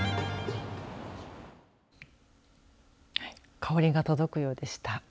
香りが届くようでした。